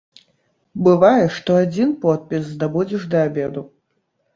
Бывае, што адзін подпіс здабудзеш да абеду.